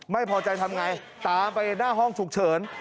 ไม่พอใจทำไงตามไปหน้าห้องฉุกเฉิน